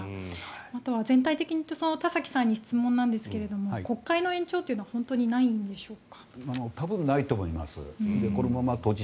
あとは全体的に田崎さんに質問なんですけど国会の延長っていうのは本当にないんでしょうか？